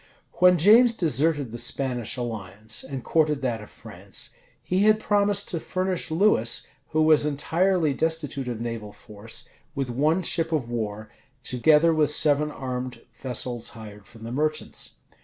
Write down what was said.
When James deserted the Spanish alliance, and courted that of France, he had promised to furnish Lewis, who was entirely destitute of naval force, with one ship of war, together with seven armed vessels hired from the merchants.